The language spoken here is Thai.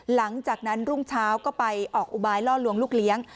หลังจากนั้นรุ่งเช้าก็ไปออกอุบายล่อลวงลูกเลี้ยง